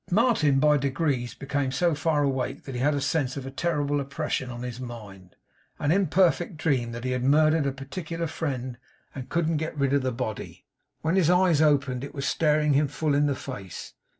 Martin by degrees became so far awake, that he had a sense of a terrible oppression on his mind; an imperfect dream that he had murdered a particular friend, and couldn't get rid of the body. When his eyes opened it was staring him full in the face.